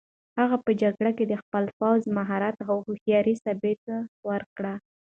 هغه په جګړه کې د خپل پوځي مهارت او هوښیارۍ ثبوت ورکړ.